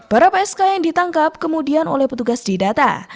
para psk yang ditangkap kemudian oleh petugas didata